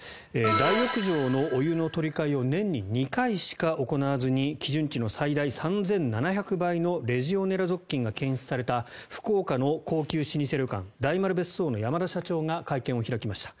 大浴場のお湯の取り換えを年に２回しか行わずに基準値の最大３７００倍のレジオネラ属菌が検出された福岡の高級旅館大丸別荘の山田社長が会見を開きました。